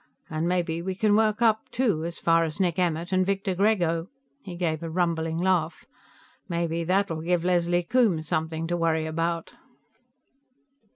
And maybe we can work up, too, as far as Nick Emmert and Victor Grego." He gave a rumbling laugh. "Maybe that'll give Leslie Coombes something to worry about."